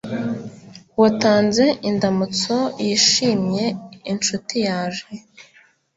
watanze indamutso yishimye inshuti yaje